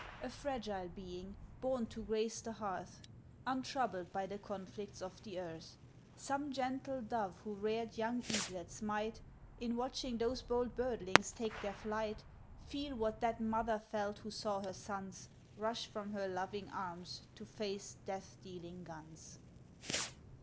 A fragile being, born to grace the hearth, Untroubled by the conflicts of the earth. Some gentle dove who reared young eaglets, might, In watching those bold birdlings take their flight, Feel what that mother felt who saw her sons Rush from her loving arms, to face death dealing guns.